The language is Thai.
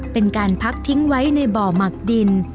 เป็นการพักทิ้งไว้ในบ่อหมักดิน